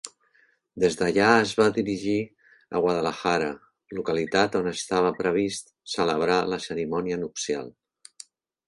Des d'allà es van dirigir a Guadalajara, localitat on estava previst celebrar la cerimònia nupcial.